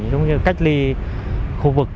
giống như cách ly khu vực